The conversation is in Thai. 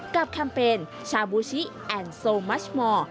แคมเปญชาบูชิแอนด์โซมัชมอร์